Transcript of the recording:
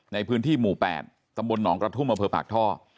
ในพื้นที่หมู่๘สมนกฎภพท